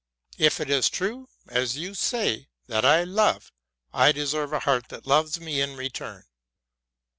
If it is true, as you say, that I love, I de serve a heart that loves me in return.